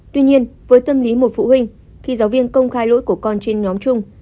tuy nhiên với tâm lý một phụ huynh khi giáo viên công khai lỗi của con trên nhóm chung